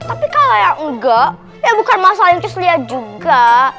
tapi kalau ya engga ya bukan masalah inqisliah juga